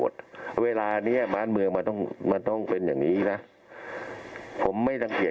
ใช่ทุกคนเป็นคนไทย